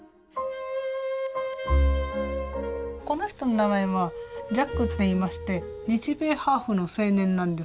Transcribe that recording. この人の名前はジャックっていいまして日米ハーフの青年なんですね。